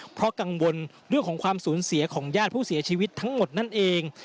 เพราะกังวลเรื่องของความสูญเสียของญาติผู้เสียชีวิตทั้งหมดนั่นเอง